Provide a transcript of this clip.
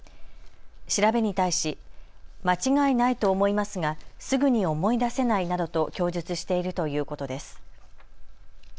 調べに対し間違いないと思いますがすぐに思い出せないなどと供述しているということです。